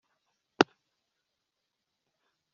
mucecetse ndababaye,